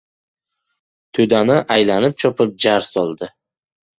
To‘dani aylanib chopib, jar soldi: